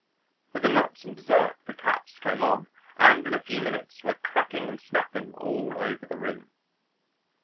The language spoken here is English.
With the nuts and dessert the caps came on, and in a few minutes were cracking and snapping all over the room.